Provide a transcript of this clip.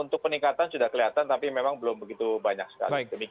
untuk peningkatan sudah kelihatan tapi memang belum begitu banyak sekali